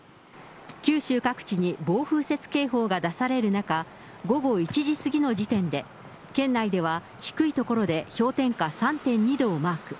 九州各地に暴風雪警報が出される中、午後１時過ぎの時点で、県内では低い所で氷点下３．２度をマーク。